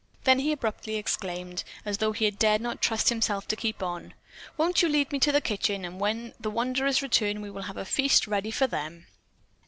Then abruptly he exclaimed, as though he dared not trust himself to keep on: "Won't you lead me to the kitchen, and when the wanderers return we will have a feast ready for them."